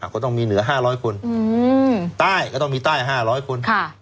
ก็ต้องมีเหนือห้าร้อยคนอืมใต้ก็ต้องมีใต้ห้าร้อยคนค่ะ